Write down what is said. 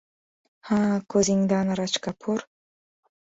— Ha, ko‘zingdan Raj Kapur!